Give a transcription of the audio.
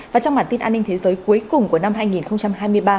và trong bản tin an ninh thế giới cuối cùng của năm hai nghìn hai mươi ba